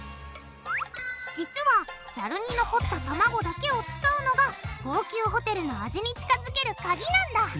実はザルに残った卵だけを使うのが高級ホテルの味に近づけるカギなんだ！